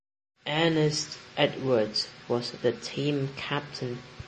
Ernest Edwards was the team captain.